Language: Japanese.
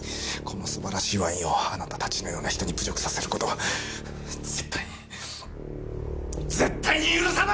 この素晴らしいワインをあなたたちのような人に侮辱させる事は絶対に絶対に許さない！！